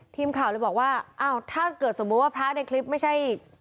ทีมข่าวเลยบอกว่าอ้าวถ้าเกิดสมมุติว่าพระในคลิปไม่ใช่